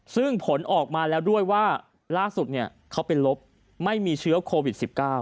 ซึ่งผลออกมาแล้วด้วยว่าล่าสุดเขาเป็นลบไม่มีเชื้อโควิด๑๙